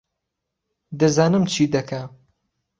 دەزانم چی دەکا